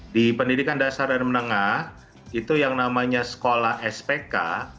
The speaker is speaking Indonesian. di pendidikan dasar dan menengah itu yang namanya sekolah spk